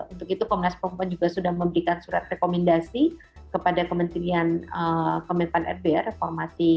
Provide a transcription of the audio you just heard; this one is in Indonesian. untuk itu komnas perempuan juga sudah memberikan surat rekomendasi kepada kementerian komitmen rbr